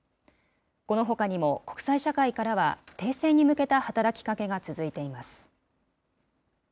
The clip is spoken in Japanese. このほかにも国際社会からは停戦に向けた働きかけが続いています。